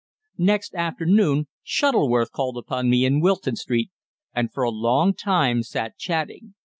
Next afternoon Shuttleworth called upon me in Wilton Street, and for a long time sat chatting.